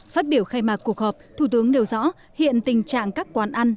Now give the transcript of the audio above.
phát biểu khai mạc cuộc họp thủ tướng nêu rõ hiện tình trạng các quán ăn